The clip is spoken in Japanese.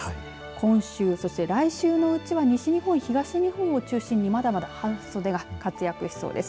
今週、そして来週のうちは西日本、東日本を中心にまだまだ半袖が活躍しそうです。